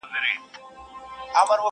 o واک د زړه مي عاطفو ته ور کی یاره,